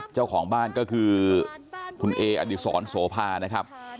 เจ้าของบ้านก็คือคุณเออดีศรโสภานะครับ